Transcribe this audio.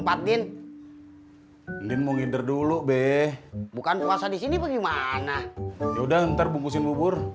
hai mending menghinder dulu be bukan puasa di sini bagaimana yaudah ntar bungkusin bubur